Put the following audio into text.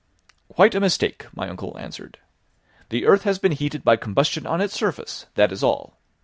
"Quite a mistake," my uncle answered. "The earth has been heated by combustion on its surface, that is all.